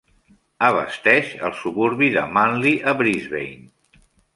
Abasteix el suburbi de Manly a Brisbane.